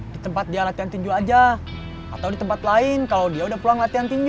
di tempat dia latihan tinju aja atau di tempat lain kalau dia udah pulang latihan tinju